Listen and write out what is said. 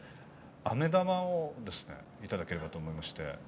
アメ玉をですね頂ければと思いまして。